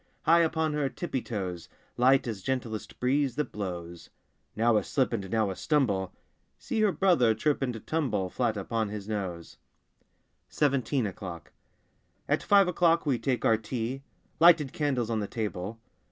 High upon her tippy toes, Light as gentlest breeze that blows. Now a slip and now a stumble— See her brother trip and tumble Elat upon his nose! 41 SIXTEEN O'CLOCK 43 SEVENTEEN O'CLOCK 4T five o'clock we take our tea; xX Lighted candles on the table.